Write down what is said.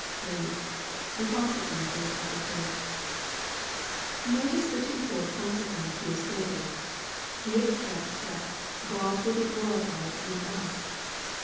3. The Consequences of the Prayer. Notice the twofold consequence here stated. He expects that God, will he glorified in us.